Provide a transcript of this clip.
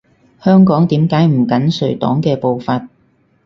香港點解唔緊隨黨嘅步伐？